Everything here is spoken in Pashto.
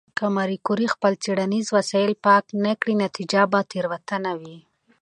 که ماري کوري خپل څېړنیز وسایل پاک نه کړي، نتیجه به تېروتنه وي.